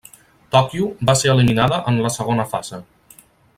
Tòquio va ser eliminada en la segona fase.